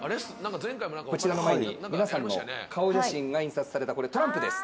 こちら皆さんの顔写真が印刷されたこれトランプです。